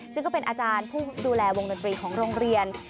ซึ่งก็เป็นอาจารย์ผู้ดูแลวงดนตรีของโรงเรียน